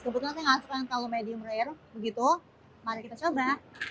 kebetulan saya nggak suka yang terlalu medium rare begitu mari kita coba